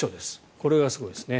これがすごいですね。